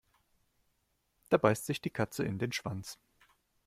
Da beißt sich die Katze in den Schwanz.